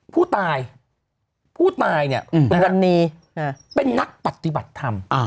ผู้ตายผู้ตายเป็นนักปฏิบัติธรรม